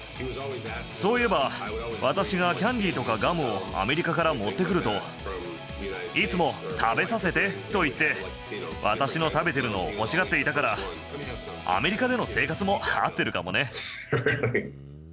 そういえば、私がキャンディーとかガムをアメリカから持ってくると、いつも食べさせてと言って、私の食べてるのを欲しがっていたから、アメリカでの生活も合ってるかもね。